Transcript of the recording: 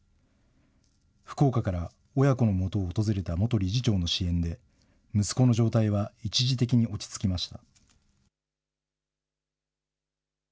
福岡から親子のもとを訪れた元理事長の支援で、息子の状態は一時的に落ち着きました。